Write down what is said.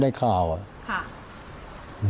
ได้ข่าวอะ